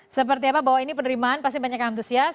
seperti apa bahwa ini penerimaan pasti banyak yang antusias